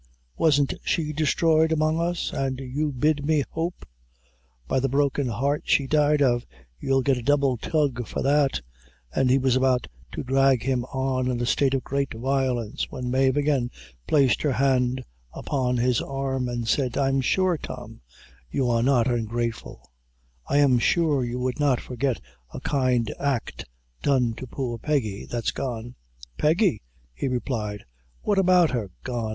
Wasn't she destroyed among us? an' you bid me hope. By the broken heart she died of, you'll get a double tug for that," and he was about to drag him on in a state of great violence, when Mave again placed her hand upon, his arm, and said "I am sure, Tom, you are not ungrateful; I am sure you would not forget a kind act done to poor Peggy, that's gone." "Peggy!" he replied, "what's about her? gone!